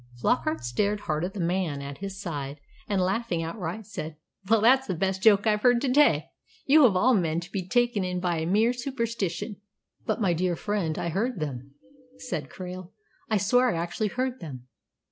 Flockart stared hard at the man at his side, and, laughing outright, said, "Well, that's the best joke I've heard to day. You, of all men, to be taken in by a mere superstition." "But, my dear friend, I heard them," said Krail. "I swear I actually heard them!